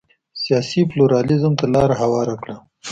سیاسي پلورالېزم ته لار هواره کړه.